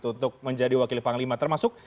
untuk menjadi wakil panglima termasuk